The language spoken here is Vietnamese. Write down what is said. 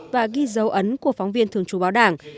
và ghi dấu ấn của phóng viên thường trú báo đảng